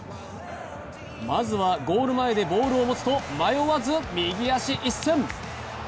まずはゴール前でボールを持つと迷わず右足一閃！